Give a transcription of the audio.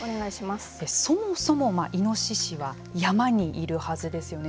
そもそもイノシシは山にいるはずですよね。